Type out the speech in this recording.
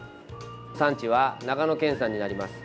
産地は長野県産になります。